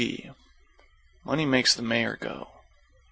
G Money makes the mayor go.